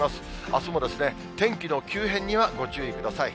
あすも天気の急変にはご注意ください。